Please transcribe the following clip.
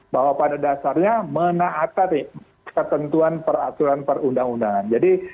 bahwa pada dasarnya menaata ketentuan peraturan perundang undangan